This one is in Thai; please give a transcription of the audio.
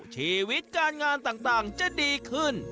ชีวิตการงานต่างจะดีขึ้น